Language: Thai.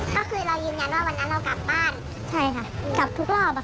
ก็คือเรายืนยันว่าวันนั้นเรากลับบ้าน